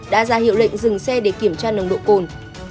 đã ra hiệu lệnh dừng xe để kiểm tra nồng độ cồn